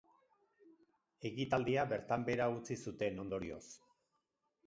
Ekitaldia bertan behera utzi zuten, ondorioz.